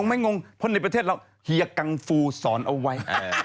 ไม่งงเพราะในประเทศเราเฮียกังฟูสอนเอาไว้